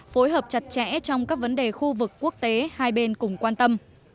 phối hợp chặt chẽ trong các vấn đề khu vực quốc tế hai bên cùng quan tâm